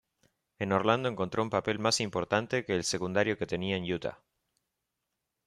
En Orlando encontró un papel más importante que el secundario que tenía en Utah.